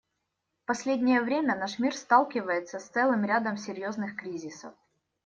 В последнее время наш мир сталкивается с целым рядом серьезных кризисов.